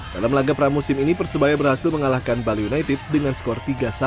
dalam laga pramusim ini persebaya berhasil mengalahkan bali united dengan skor tiga satu